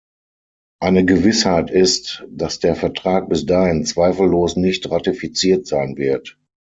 Eine Gewissheit ist, dass der Vertrag bis dahin zweifellos nicht ratifiziert sein wird.